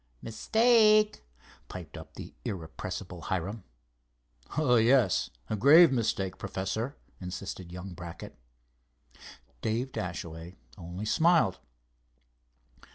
"Mistake," piped up the irrepressible Hiram. "Oh, yes, a grave mistake, Professor," insisted young Brackett. Dave Dashaway only smiled.